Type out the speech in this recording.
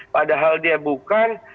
padahal dia bukan